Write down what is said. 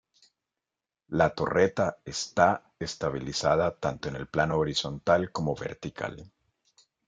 La torreta está estabilizada tanto en el plano horizontal como vertical.